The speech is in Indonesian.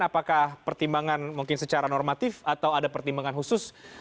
apakah pertimbangan mungkin secara normatif atau ada pertimbangan khusus